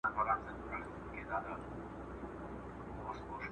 خبرونو وویل چي ګڼو خلګو اوږد ډنډ ړنګ کړ.